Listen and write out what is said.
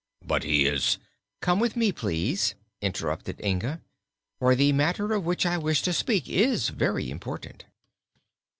"But he is " "Come with me, please," interrupted Inga, "for the matter of which I wish to speak is very important."